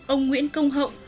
ông nguyễn công hậu